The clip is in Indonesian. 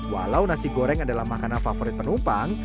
walau nasi goreng adalah makanan favorit penumpang